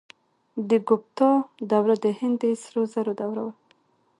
د ګوپتا دوره د هند د سرو زرو دوره وه.